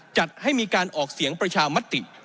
จัดให้มีการออกเสียงประชามติ